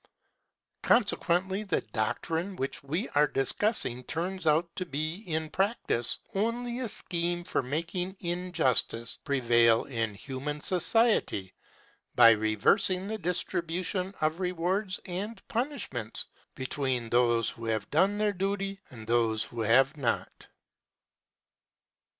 Consequently the doctrine which we are discussing turns out to be in practice only a scheme for making injustice prevail in human society by reversing the distribution of rewards and punishments between those who have done their duty and those who have not.